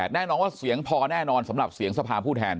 แน่นอนว่าเสียงพอแน่นอนสำหรับเสียงสภาผู้แทน